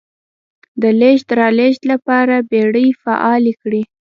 د لېږد رالېږد لپاره بېړۍ فعالې کړې.